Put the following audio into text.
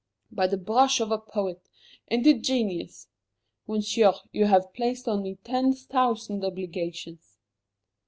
by the brush of a poet, and a genius! Monsieur, you have placed on me ten thousand obligations."